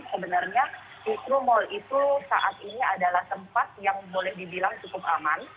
sebenarnya mikro mall itu saat ini adalah tempat yang boleh dibilang cukup aman